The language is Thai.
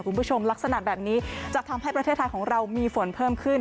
คุณผู้ชมลักษณะแบบนี้จะทำให้ประเทศไทยของเรามีฝนเพิ่มขึ้น